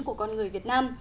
của con người việt nam